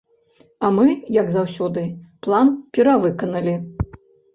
А мы, як заўсёды, план перавыканалі.